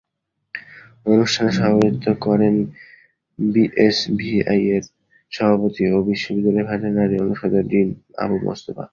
অনুষ্ঠানে সভাপতিত্ব করেন বিএসভিইআরের সভাপতি ও বিশ্ববিদ্যালয়ের ভেটেরিনারি অনুষদের ডিন মাহবুব মোস্তফা।